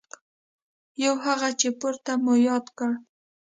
یو هغه چې پورته مو یاد کړ.